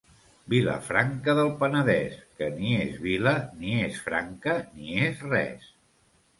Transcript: Vilafranca del Penedès, que ni és vila, ni és franca, ni és res.